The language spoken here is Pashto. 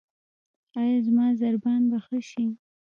ایا زما ضربان به ښه شي؟